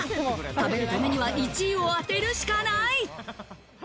食べるためには１位を当てるしかない。